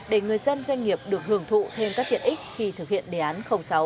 để người dân doanh nghiệp được hưởng thụ thêm các tiện ích khi thực hiện đề án sáu